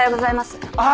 あっ！